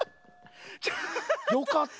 よかった。